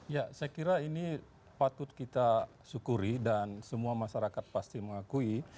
ya saya kira ini patut kita syukuri dan semua masyarakat pasti mengakui